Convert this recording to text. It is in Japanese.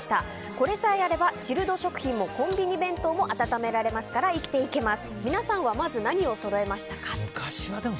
これさえあればチルド食品もコンビニ弁当も温められますから生きていけます。